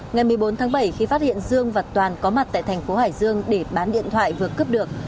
ngày một mươi bốn tháng bảy khi phát hiện dương và toàn có mặt tại thành phố hải dương để bán điện thoại vừa cướp được